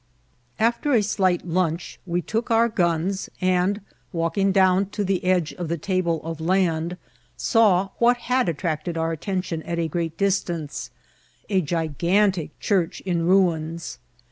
Alter a slight hmch we took our guns, and, walking down to the edge of the table of land, saw, what had attracted our attention at a great distance, a gigantic cliaroh in ruins.